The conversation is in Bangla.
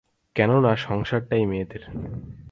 কেননা সংসারটাই মেয়েদের।